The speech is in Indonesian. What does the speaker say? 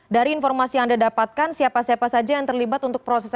dari informasi yang anda dapatkan siapa siapa saja yang terlibat untuk proses evakuasi